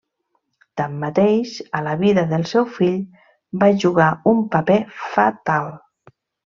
Tanmateix, a la vida del seu fill, va jugar un paper fatal.